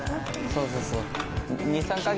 そうそうそう。